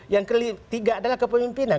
yang ketiga adalah kepemimpinan